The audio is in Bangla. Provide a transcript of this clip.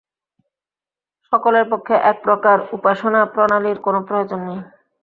সকলের পক্ষে এক প্রকার উপাসনা-প্রণালীর কোন প্রয়োজন নাই।